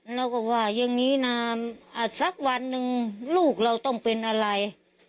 เราก็ว่าอย่างนี้นะสักวันหนึ่งลูกเราต้องเป็นอะไร